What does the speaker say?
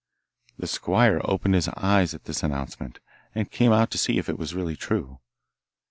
The squire opened his eyes at this announcement; and came out to see if it was really true.